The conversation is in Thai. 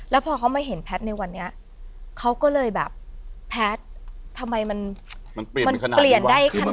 แล้วพอเขามาเห็นแพทในวันนี้เขาก็เลยแบบแพททำไมมันเปลี่ยนได้ขนาดเนี้ย